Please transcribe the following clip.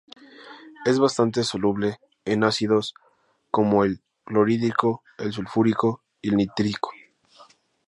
Es bastante soluble en ácidos como el clorhídrico, el sulfúrico y el nítrico.